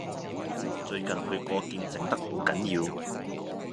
最近去過見靜得好緊要